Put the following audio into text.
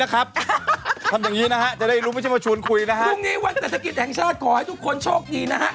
ขอให้ทุกคนโชคดีนะฮะ